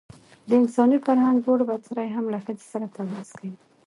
د انساني فرهنګ ووړ بڅرى هم له ښځې سره تبعيض کوي.